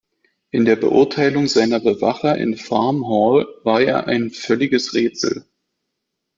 In der Beurteilung seiner Bewacher in Farm Hall war er ein "völliges Rätsel".